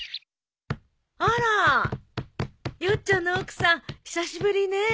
あらヨッちゃんの奥さん久しぶりね。